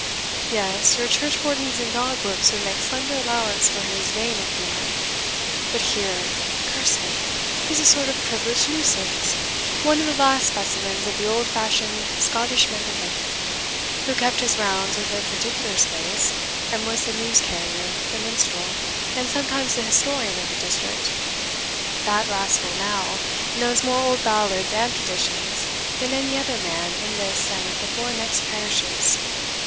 "Yes, your churchwardens and dog whips would make slender allowance for his vein of humour! But here, curse him! he is a sort of privileged nuisance one of the last specimens of the old fashioned Scottish mendicant, who kept his rounds within a particular space, and was the news carrier, the minstrel, and sometimes the historian of the district. That rascal, now, knows more old ballads and traditions than any other man in this and the four next parishes.